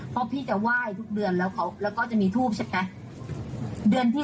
เพราะพี่จะไหว้ทุกเดือนแล้วแล้วก็จะมีทูปใช่ไหม